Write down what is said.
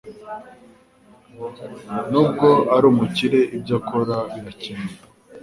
Nubwo ari umukire ibyo akora birakennye